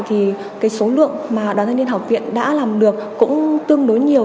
thì cái số lượng mà đoàn thanh niên học viện đã làm được cũng tương đối nhiều